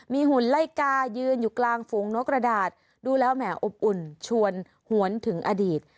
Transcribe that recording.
มีหุ่นไล่กายืนอยู่กลางฝูงนกกระดาษดูแล้วแหมออบอุ่นชวนหวนถึงอดีต